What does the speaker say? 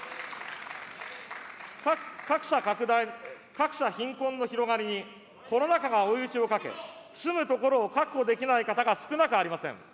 格差貧困の広がりに、コロナ禍が追い打ちをかけ、住むところを確保できない方が少なくありません。